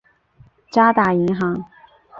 渣打银行。